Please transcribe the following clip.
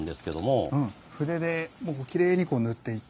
筆できれいに塗っていって。